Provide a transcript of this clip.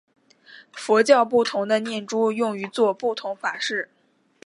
佛教不同的念珠用于作不同法事。